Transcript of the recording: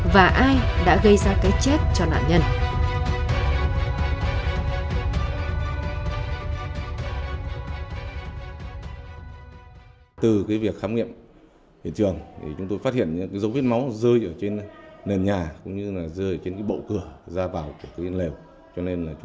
và ai đã gây ra cái chết cho nạn nhân